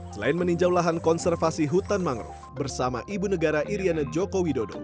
selain meninjau lahan konservasi hutan mangrove bersama ibu negara iryana joko widodo